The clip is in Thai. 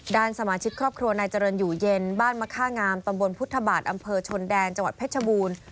ด้านสมาชิกครอบครัวนายเจริญอยู่เย็นบ้านมะค่างามตำบลพุทธบาทอำเภอชนแดนจังหวัดเพชรบูรณ์